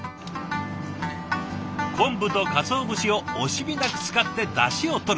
昆布とカツオ節を惜しみなく使ってだしをとる。